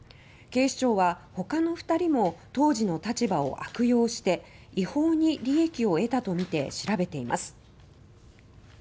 警視庁は、ほかの２人も当時の立場を悪用して違法に利益を得たとみて調べています。